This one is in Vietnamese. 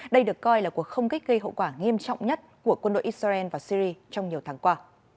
đây được coi là cuộc không kích gây hậu quả nghiêm trọng nhất của quân đội israel và syri trong nhiều tháng qua